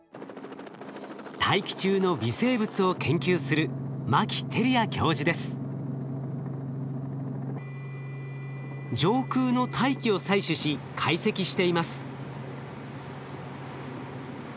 大気中の微生物を研究する上空の大気を採取し解析しています。